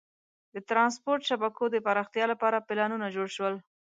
د ترانسپورت شبکو د پراختیا لپاره پلانونه جوړ شول.